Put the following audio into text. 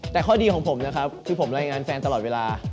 แต่ข้อดีของผมนะครับคือผมรายงานแฟนตลอดเวลา